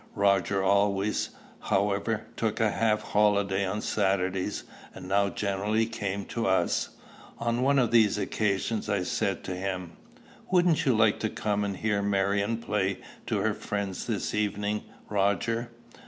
Roger always, however, took a half holiday on Saturdays, and now generally came to us. On one of these occasions I said to him, "Wouldn't you like to come and hear Marion play to her friends this evening, Roger?"